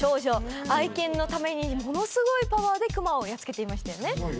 愛犬のためにものすごいパワーでクマをやっつけていましたよね。